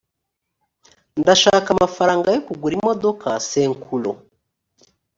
ndashaka amafaranga yo kugura imodoka senkuro